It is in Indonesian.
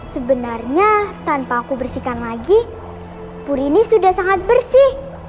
sebenarnya tanpa aku bersihkan lagi puri ini sudah sangat bersih